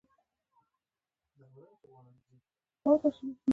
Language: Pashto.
لسزره کاله وړاندې یواځې عقلمن انسان پاتې شو.